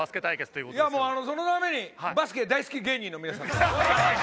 いやもうそのためにバスケ大好き芸人の皆さん。